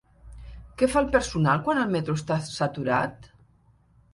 Què fa el personal quan el metro està saturat?